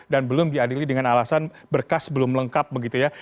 belum diadili dengan alasan berkas belum lengkap begitu ya